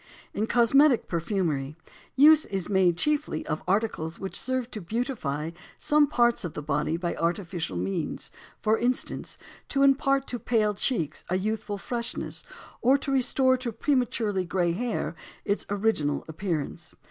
In cosmetic perfumery, use is made chiefly of articles which serve to beautify some parts of the body by artificial means; for instance, to impart to pale cheeks a youthful freshness or to restore to prematurely gray hair its original appearance.